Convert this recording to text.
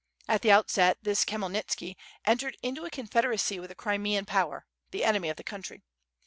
At the outset this Khmyelnitski eaitered into a confederacy with the Crimean power, the enemy of the country.